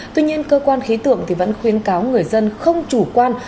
tuy nhiên cơ quan khí tượng vẫn khuyến cáo người dân không chủ quan